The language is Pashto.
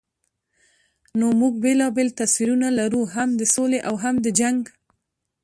نو موږ بېلابېل تصویرونه لرو، هم د سولې او هم د جنګ.